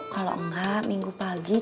kalau nggak minggu pagi cu